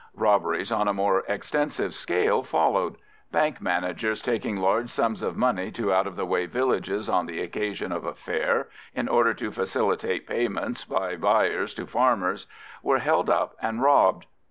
Robberies on a more extensive scale followed: bank managers taking large sums of money to out of the way villages on the occasion of a fair, in order to facilitate payments by buyers to farmers, were held up and robbed.